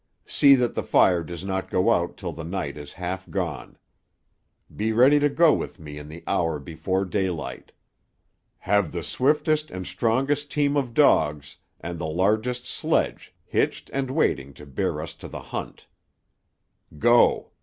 "See that the fire does not go out till the night is half gone. Be ready to go with me in the hour before daylight. Have the swiftest and strongest team of dogs and the largest sledge hitched and waiting to bear us to the hunt. Go!